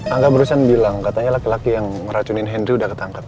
angga barusan bilang katanya laki laki yang meracunin henry udah ketangkap